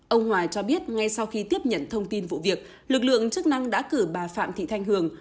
ông hòa cho biết ngay sau khi tiếp nhận thông tin vụ việc lực lượng chức năng đã cử bà phạm thị thanh hường